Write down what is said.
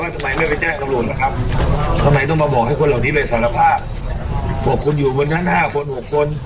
คุณจะมาลองเปิดเผยอะไรในโรคของโซเชียล